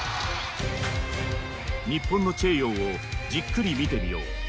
日本のチェイヨーをじっくり見てみよう。